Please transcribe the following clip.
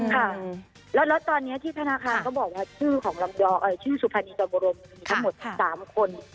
ค่ะแล้วตอนนี้ที่ธนาคารก็บอกว่าชื่อของลำชื่อสุภานีจอมบรมมีทั้งหมด๓คน